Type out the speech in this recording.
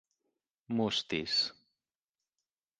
Mustis.